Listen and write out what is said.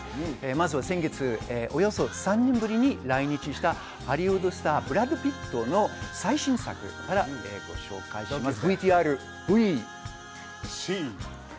まずは先月、およそ３年ぶりに来日したハリウッドスター、ブラッド・ピットの最新作からご紹介します。